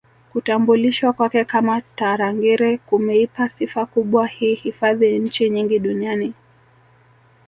Kutambulishwa kwake kama Tarangire kumeipa sifa kubwa hii hifadhi nchi nyingi Duniani